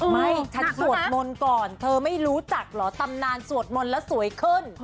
ไม่ฉันสวดมนต์ก่อนเธอไม่รู้จักเหรอตำนานสวดมนต์แล้วสวยขึ้น